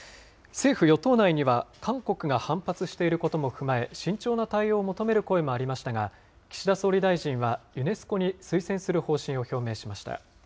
政府・与党内には韓国が反発していることも踏まえ、慎重な対応を求める声もありましたが、岸田総理大臣はユネスコに推薦する方針を表明しました。